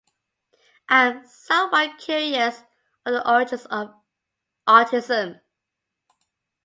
I'm somewhat curious of the origins of autism.